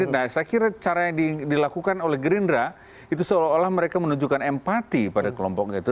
nah saya kira cara yang dilakukan oleh gerindra itu seolah olah mereka menunjukkan empati pada kelompok itu